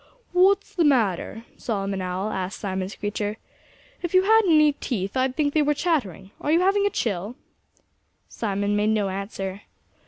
"What's the matter?" Solomon Owl asked Simon Screecher. "If you had any teeth I'd think they were chattering.... Are you having a chill?" Simon made no answer.